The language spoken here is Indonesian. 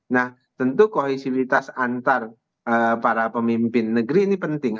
nah tentu kohesivitas antar para pemimpin negeri ini penting